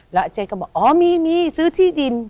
แล้วเจ๊ก็บอกอ๋อมีมีซื้อที่ดิน